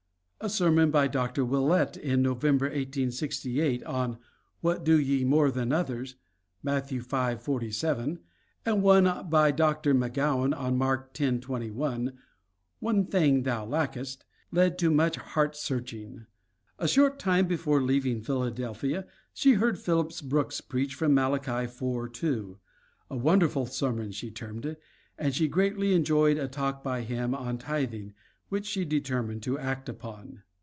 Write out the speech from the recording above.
A sermon by Dr. Willett in November, 1868, on "What do ye more than others?" Matt. 5:47, and one by Dr. McGowan on Mark 10:21, "One thing thou lackest," led to much heart searching. A short time before leaving Philadelphia she heard Phillips Brooks preach from Malachi 4:2. "A wonderful sermon," she termed it, and she greatly enjoyed a talk by him on tithing, which she determined to act upon.